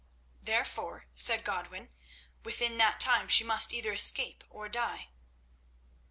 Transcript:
"Therefore," said Godwin, "within that time she must either escape or die."